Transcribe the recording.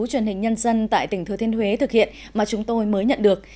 truyền hình nhân dân tại tỉnh thừa thiên huế thực hiện mà chúng tôi mới nhận được